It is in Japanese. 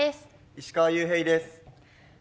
石川裕平です。